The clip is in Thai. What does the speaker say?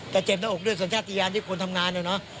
แต่เจ็บหน้าอกด้วยสัญชาติยานที่คนทำงานนะเนอะ